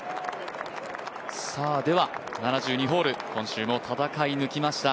７２ホール、今週も戦い抜きました。